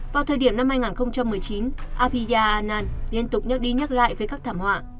vào thời điểm năm hai nghìn một mươi chín apiya anan liên tục nhắc đi nhắc lại với các thảm họa